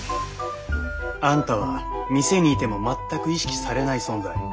あんたは店にいても全く意識されない存在。